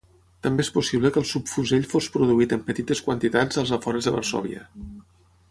També és possible que el subfusell fos produït en petites quantitats als afores de Varsòvia.